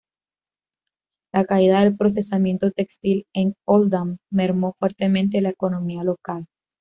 La caída del procesamiento textil en Oldham mermó fuertemente la economía local.